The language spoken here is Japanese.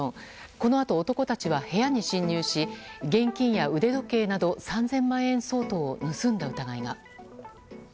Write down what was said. このあと男たちは部屋に侵入し現金や腕時計など３０００万円相当を盗んだ疑いが。